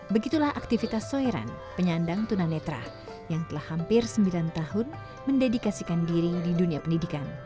begitulah aktivitas soiran penyandang tunanetra yang telah hampir sembilan tahun mendedikasikan diri di dunia pendidikan